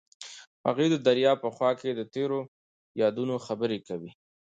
هغوی د دریا په خوا کې تیرو یادونو خبرې کړې.